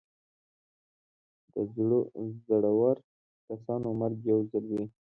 د زړور کسانو مرګ یو ځل وي.